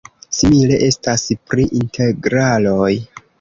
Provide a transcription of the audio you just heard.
Simile estas pri integraloj.